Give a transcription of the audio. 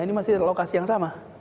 ini masih lokasi yang sama